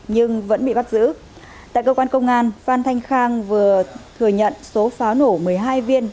nhưng vẫn bị bắt giữ tại cơ quan công an phan thanh khang vừa thừa nhận số pháo nổ một mươi hai viên